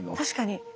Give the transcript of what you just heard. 確かに。